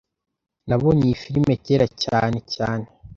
Nabonye iyi firime kera cyane cyane